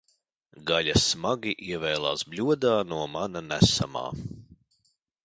Gaļa smagi ievēlās bļodā no mana nesamā.